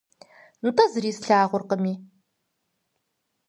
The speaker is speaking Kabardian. НтӀэ зыри слъагъуркъыми!